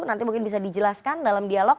nanti mungkin bisa dijelaskan dalam dialog